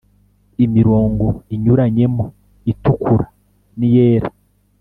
imirongo inyuranyemo itukura n'iyera